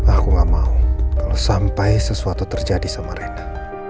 aku gak mau kalau sampai sesuatu terjadi sama rena